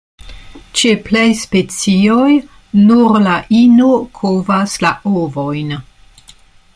Ĉe plej specioj, nur la ino kovas la ovojn.